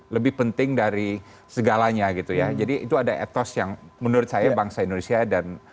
lebih penting dari segalanya gitu ya jadi itu ada etos yang menurut saya bangsa indonesia dan